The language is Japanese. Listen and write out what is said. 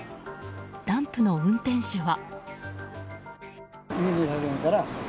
ダンプの運転手は。